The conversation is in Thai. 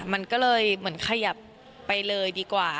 มันก็เลยเหมือนขยับไปเลยดีกว่า